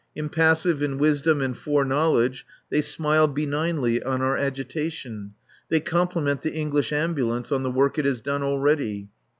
Impassive in wisdom and foreknowledge, they smile benignly on our agitation. They compliment the English Ambulance on the work it has done already.